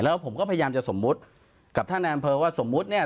แล้วผมก็พยายามจะสมมุติกับท่านนายอำเภอว่าสมมุติเนี่ย